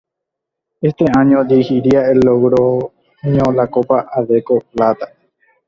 Este año dirigiría en Logroño la Copa Adecco Plata.